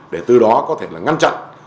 để từ đó có thể là ngăn chặn